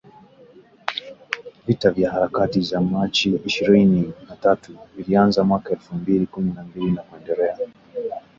Vita vya Harakati za Machi ishirini na tatu vilianza mwaka elfu mbili kumi na mbili na kuendelea.